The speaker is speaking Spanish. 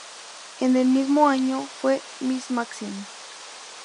En el mismo año, fue "Miss Maxim".